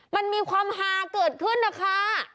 มันมีความฮาเกิดขึ้นนะคะ